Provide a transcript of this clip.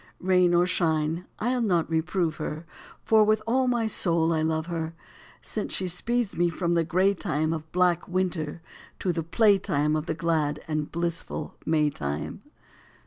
Rain or shine, I ll not reprove her, For with all my soul I love her, Since she speeds me from the gray time Of black winter to the play time Of the glad and blissful May time.